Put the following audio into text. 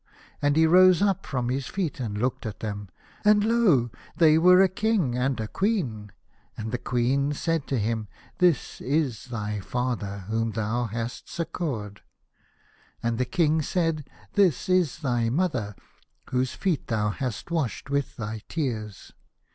And he rose up from his feet, and looked at them, and lo ! they were a King and a Queen. And the Queen said to him, " This is thy father whom thou hast succoured." And the King said, " This is thy mother, whose feet thou hast washed with thy tears."